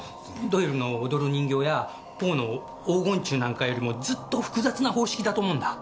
ドイルの『踊る人形』やポオの『黄金虫』なんかよりもずっと複雑な方式だと思うんだ。